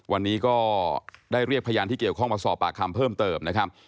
วันนี้ก็ได้เรียกพยานที่เกี่ยวข้องมาสอบปากคำเพิ่มเติมนะครับ